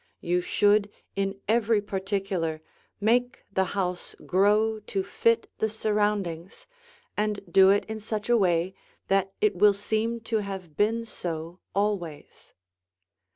You should in every particular make the house grow to fit the surroundings and do it in such a way that it will seem to have been so always.